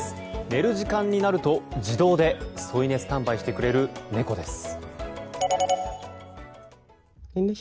寝る時間になると自動で添い寝スタンバイしてくれる猫です。